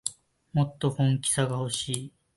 もっと本気さがほしい